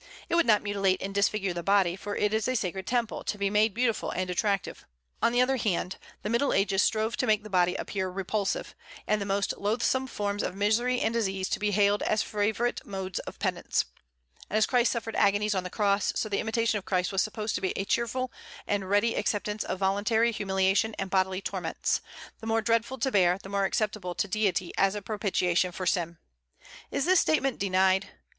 It would not mutilate and disfigure the body, for it is a sacred temple, to be made beautiful and attractive. On the other hand the Middle Ages strove to make the body appear repulsive, and the most loathsome forms of misery and disease to be hailed as favorite modes of penance. And as Christ suffered agonies on the cross, so the imitation of Christ was supposed to be a cheerful and ready acceptance of voluntary humiliation and bodily torments, the more dreadful to bear, the more acceptable to Deity as a propitiation for sin. Is this statement denied?